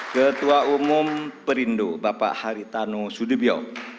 ketua umum perindu bapak haritano sudibyo